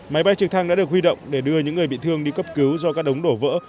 máy bay trực thăng đã được huy động để đưa những người bị thương đi cấp cứu do các đống đổ vỡ